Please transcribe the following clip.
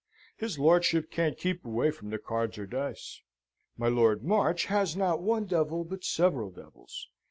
"His lordship can't keep away from the cards or dice." "My Lord March has not one devil, but several devils.